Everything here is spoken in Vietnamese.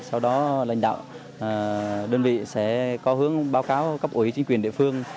sau đó lãnh đạo đơn vị sẽ có hướng báo cáo cấp ủy chính quyền địa phương